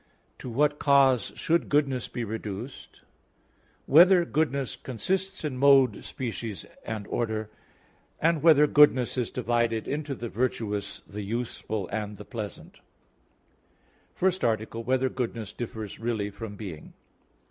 (4) To what cause should goodness be reduced? (5) Whether goodness consists in mode, species, and order? (6) Whether goodness is divided into the virtuous, the useful, and the pleasant? _______________________ FIRST ARTICLE [I, Q. 5, Art. 1] Whether Goodness Differs Really from Being?